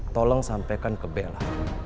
tolong sampaikan ke bella